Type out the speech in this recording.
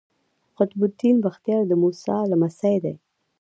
قطب الدین بختیار د موسی لمسی دﺉ.